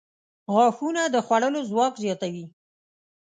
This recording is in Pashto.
• غاښونه د خوړلو ځواک زیاتوي.